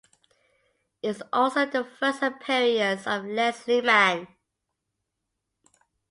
It was also the first appearance of Leslie Mann.